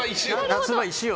夏場、石を？